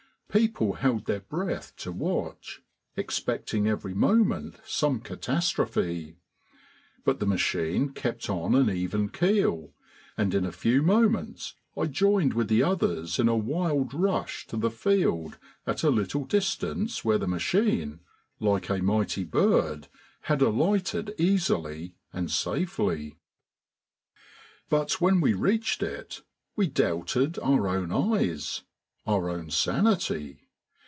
People held their breath to watch, expecting every moment some catastrophe. But the machine kept on an even keel, and in a few moments I joined with the others in a wild rush to the field at a little distance where the machine, like a mighty bird, had alighted easily and safely. But when we reached it we doubted our own eyes, our own sanity.